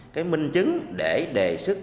cái minh chứng để đề sức